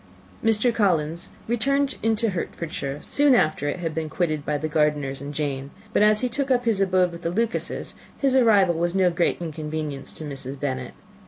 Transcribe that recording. Mr. Collins returned into Hertfordshire soon after it had been quitted by the Gardiners and Jane; but, as he took up his abode with the Lucases, his arrival was no great inconvenience to Mrs. Bennet.